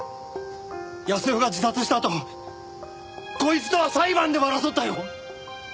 泰代が自殺したあとこいつとは裁判でも争ったよ！